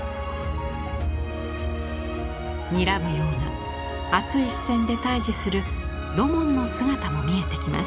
にらむような熱い視線で対峙する土門の姿も見えてきます。